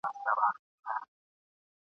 هغه کډه له کوڅې نه باروله !.